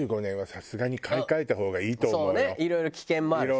そうねいろいろ危険もあるしね。